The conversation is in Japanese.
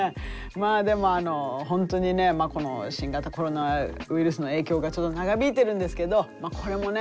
まあでも本当にね新型コロナウイルスの影響がちょっと長引いてるんですけどこれもね